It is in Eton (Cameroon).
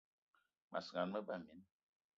Mas gan, me ba mina.